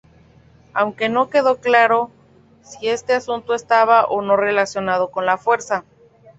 Aunque no quedó claro si ese asunto estaba o no relacionado con la fuerza.